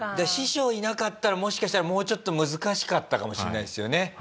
シショウいなかったらもしかしたらもうちょっと難しかったかもしれないですよね